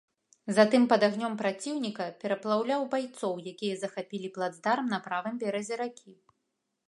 Затым пад агнём праціўніка перапраўляў байцоў, якія захапілі плацдарм на правым беразе ракі.